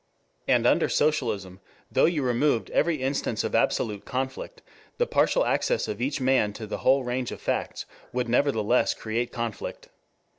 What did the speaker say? And under socialism, though you removed every instance of absolute conflict, the partial access of each man to the whole range of facts would nevertheless create conflict.